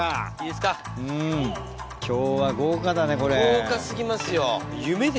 豪華過ぎますよ。